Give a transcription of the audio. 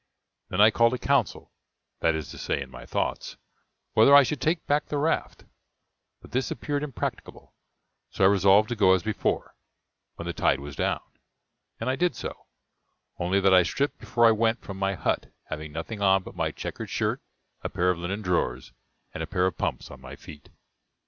Then I called a council that is to say, in my thoughts whether I should take back the raft; but this appeared impracticable; so I resolved to go as before, when the tide was down; and I did so, only that I stripped before I went from my hut, having nothing on but my chequered shirt, a pair of linen drawers, and a pair of pumps on my feet.